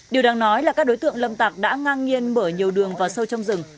điều đáng nói là các đối tượng lâm tạc đã ngang nhiên mở nhiều đường vào sâu trong rừng